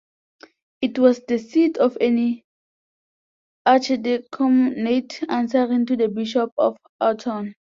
It was the seat of an archdeaconate answering to the bishop of Autun.